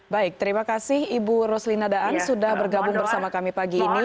baik terima kasih ibu roslina daan sudah bergabung bersama kami pagi ini